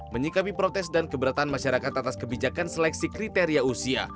menyikapi protes dan keberatan masyarakat atas kebijakan seleksi kriteria usia